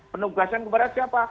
penugasan kepada siapa